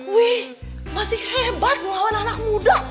wih masih hebat melawan anak muda